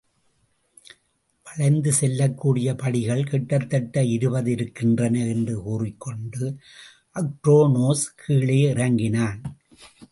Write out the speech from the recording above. வளைந்து செல்லக்கூடிய படிகள் கிட்டத்தட்ட இருபது இருக்கின்றன என்று கூறிக்கொண்டு அக்ரோனோஸ் கீழே இறங்கினான்.